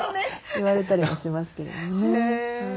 言われたりはしますけれどもね。